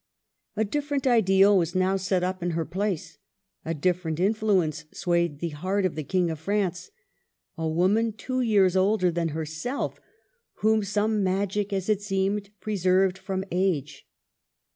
A different ideal was now set up in her place, a different influence swayed the heart of the King of France, — a woman two years older than herself, whom some magic, as it seemed, preserved from age.